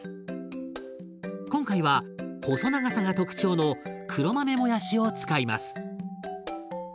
今回は細長さが特徴の黒豆もやしを使います。